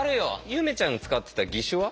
ゆめちゃんが使ってた義手は？